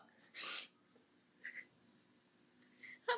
ทำไมอะกัน